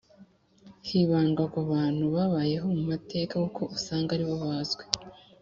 hibandwa ku bantu babayeho mu mateka kuko usanga ari bo bazwi